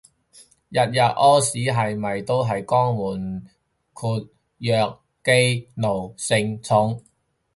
日日屙屎係咪都係肛門括約肌奴性重